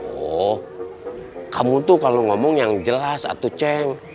oh kamu tuh kalau ngomong yang jelas aku ceng